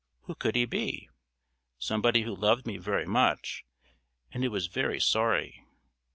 Who could he be? Somebody who loved me very much, and who was very sorry.